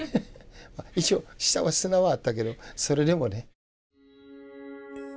一応下は砂はあったけどそれでもね。